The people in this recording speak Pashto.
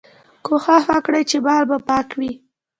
کوښښ وکړئ چي مال مو پاک وي.